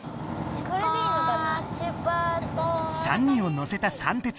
３人を乗せたさん